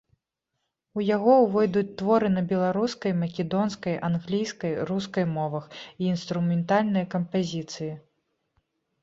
У яго увойдуць творы на беларускай, македонскай, англійскай, рускай мовах і інструментальныя кампазіцыі.